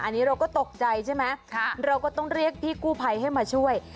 อันนี้เราก็ตกใจใช่ไหมเราก็ต้องเรียกพี่กู้ภัยให้มาช่วย